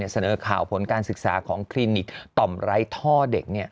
เสนอข่าวผลการศึกษาของคลินิกต่อมไร้ท่อเด็ก